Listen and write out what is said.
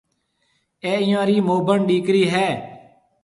اَي ايئيون رِي موڀڻ ڏِيڪرِي هيَ۔